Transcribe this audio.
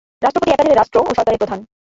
রাষ্ট্রপতি একাধারে রাষ্ট্র ও সরকারের প্রধান।